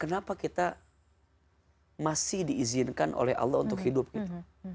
kenapa kita masih diizinkan oleh allah untuk hidup gitu